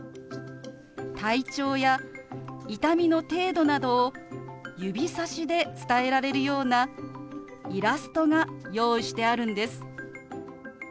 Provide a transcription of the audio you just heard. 体調や痛みの程度などを指さしで伝えられるようなイラストが用意してあるんです。